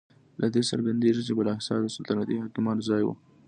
له دې څرګندیږي چې بالاحصار د سلطنتي حاکمانو ځای و.